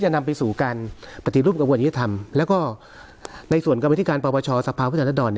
การปฏิรูปกับว่ายิทธรรมแล้วก็ในส่วนกรมธปปชสภาพพฤษฎรดร